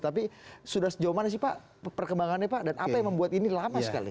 tapi sudah sejauh mana sih pak perkembangannya pak dan apa yang membuat ini lama sekali